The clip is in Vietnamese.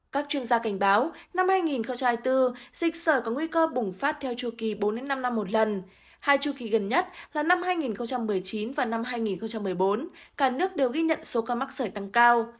các chuyên gia cảnh báo năm hai nghìn hai mươi bốn dịch sởi có nguy cơ bùng phát theo chu kỳ bốn năm năm một lần hai chu kỳ gần nhất là năm hai nghìn một mươi chín và năm hai nghìn một mươi bốn cả nước đều ghi nhận số ca mắc sởi tăng cao